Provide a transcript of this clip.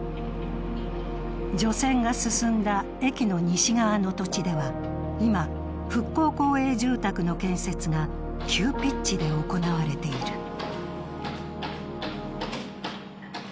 除染が進んだ駅の西側の土地では今、復興公営住宅の建設が急ピッチで行われている。